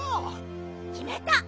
きめた。